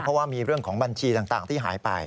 เพราะว่ามีเรื่องของบัญชีต่างที่หายไป